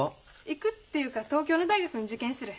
行くっていうか東京の大学受験する。